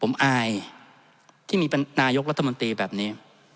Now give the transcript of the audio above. ผมอายที่มีนายกรัฐมนตรีแบบนี้